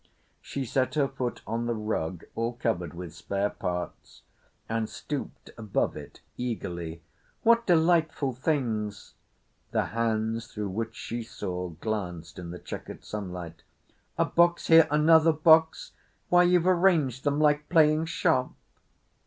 She set her foot on the rug all covered with spare parts, and stooped above it eagerly. "What delightful things!" The hands through which she saw glanced in the chequered sunlight. "A box here—another box! Why you've arranged them like playing shop!"